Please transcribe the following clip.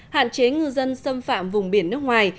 hạn chế ngư dân xâm phạm vùng biển nước ngoài